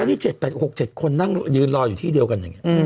ก็นี่เจ็ดแปดหกเจ็ดคนนั่งยืนรออยู่ที่เดียวกัน